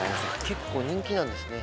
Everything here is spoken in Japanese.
結構人気なんですね